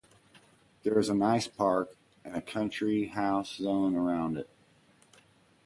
There is a nice park and a country-houses zone around it.